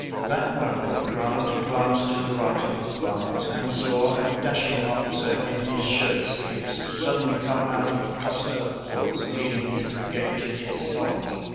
That moment Grant glanced to the right of his lines and saw a dashing officer in his shirt sleeves suddenly come out of a cluster of woods, leading his brigade to the assault.